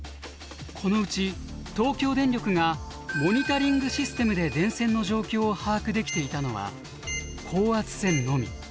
このうち東京電力がモニタリングシステムで電線の状況を把握できていたのは高圧線のみ。